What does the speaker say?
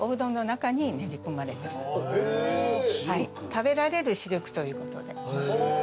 食べられるシルクということで。